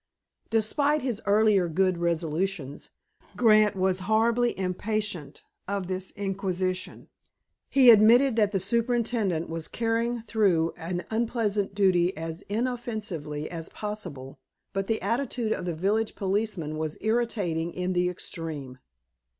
Despite his earlier good resolutions, Grant was horribly impatient of this inquisition. He admitted that the superintendent was carrying through an unpleasant duty as inoffensively as possible, but the attitude of the village policeman was irritating in the extreme.